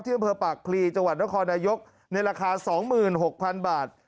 อำเภอปากพลีจังหวัดนครนายกในราคา๒๖๐๐๐บาท